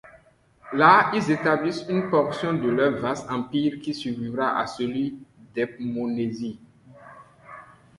Là, ils établissent une portion de leur vaste empire qui survivra à celui d'Hepmonésie.